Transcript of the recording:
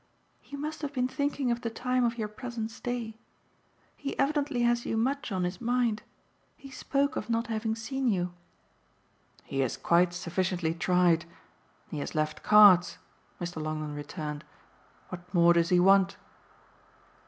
"He must have been thinking of the time of your present stay. He evidently has you much on his mind he spoke of not having seen you." "He has quite sufficiently tried he has left cards," Mr. Longdon returned. "What more does he want?"